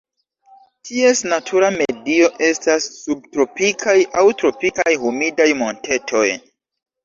Ties natura medio estas subtropikaj aŭ tropikaj humidaj montetoj.